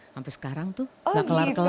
sampai sekarang tuh gak kelar kelar